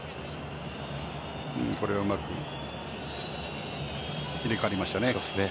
これはうまく入れ替わりましたね。